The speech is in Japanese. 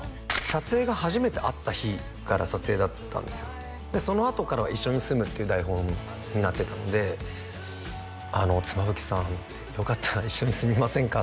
撮影が初めて会った日から撮影だったんですよでそのあとからは一緒に住むっていう台本になってたので「あの妻夫木さん」って「よかったら一緒に住みませんか？」